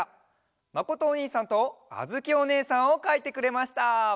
まことおにいさんとあづきおねえさんをかいてくれました！